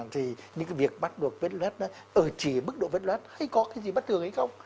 thì những cái việc bắt buộc vết lết ở chỉ bức độ vết lết hay có cái gì mất thường hay không